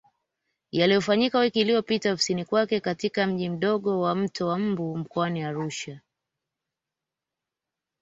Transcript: Yaliyofanyika wiki iliyopita ofisini kwake katika Mji mdogo wa Mto wa Mbu mkoani Arusha